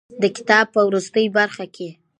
د کتاب په وروستۍ برخه کې.